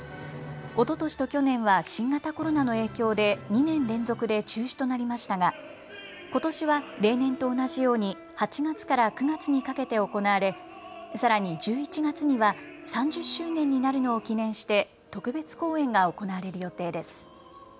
おととしと去年は新型コロナの影響で２年連続で中止となりましたがことしは例年と同じように８月から９月にかけて行われさらに１１月には３０周年になるのを記念して特別公演が行われる予定です。